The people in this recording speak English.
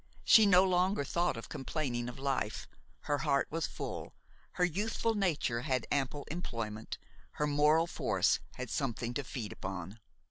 She no longer thought of complaining of life; her heart was full, her youthful nature had ample employment, her moral force had something to feed upon.